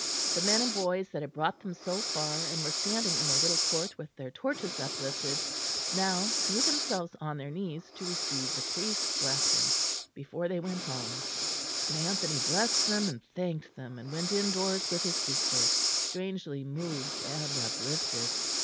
The men and boys that had brought them so far, and were standing in the little court with their torches uplifted, now threw themselves on their knees to receive the priest's blessing, before they went home; and Anthony blessed them and thanked them, and went indoors with his sister, strangely moved and uplifted.